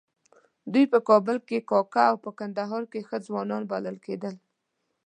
دوی په کابل کې کاکه او په کندهار کې ښه ځوان بلل کېدل.